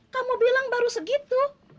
kamu bilang baru segitu